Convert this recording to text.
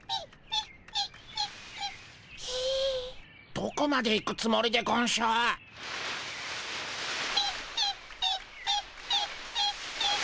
どこまで行くつもりでゴンしょ？ピッピッピッピッピッピッ！